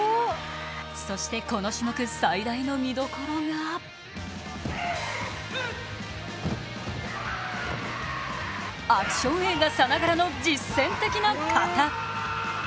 そしてこの種目最大のみどころがアクション映画さながらの実践的な形。